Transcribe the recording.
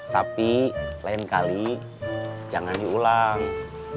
tapi lain kali jangan diulang